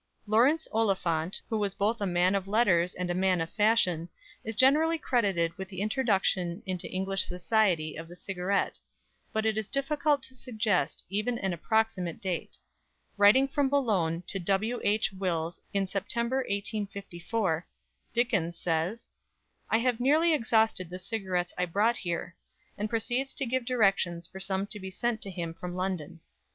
Laurence Oliphant, who was both a man of letters and a man of fashion, is generally credited with the introduction into English society of the cigarette; but it is difficult to suggest even an approximate date. Writing from Boulogne to W.H. Wills in September 1854, Dickens says, "I have nearly exhausted the cigarettes I brought here," and proceeds to give directions for some to be sent to him from London.